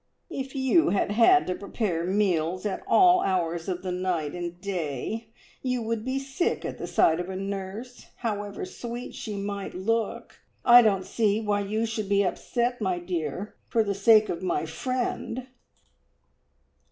"If you had had to prepare meals at all hours of the night and day, you would be sick of the sight of a nurse, however sweet she might look! I don't see why you should be upset, my dear, for the sake of my friend."